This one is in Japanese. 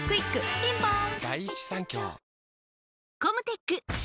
ピンポーン